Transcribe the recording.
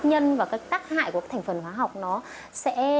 nhân và các cái tắc hại của các thành phần hóa học nó sẽ